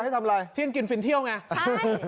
เที่ยงกินฝิ่นเที่ยวไง